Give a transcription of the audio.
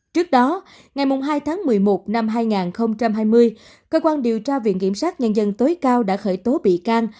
trước đó ngày hai tháng một mươi một năm hai nghìn hai mươi cơ quan điều tra viện kiểm sát nhân dân tối cao đã khởi tố bị can